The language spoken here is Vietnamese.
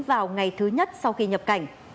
vào ngày thứ nhất sau khi nhập cảnh